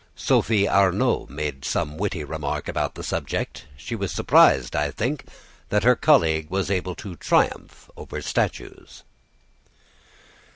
Sophie Arnould made some witty remark on the subject. She was surprised, I think, that her colleague was able to triumph over statues.